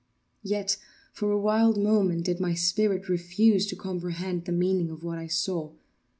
Yet, for a wild moment, did my spirit refuse to comprehend the meaning of what I saw.